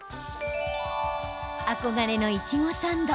憧れのいちごサンド。